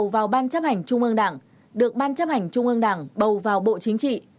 vào ban chấp hành trung ương đảng được ban chấp hành trung ương đảng bầu vào bộ chính trị